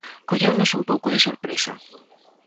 Colleunos un pouco de sorpresa.